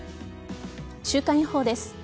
週間予報です。